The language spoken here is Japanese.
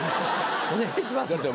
お願いします。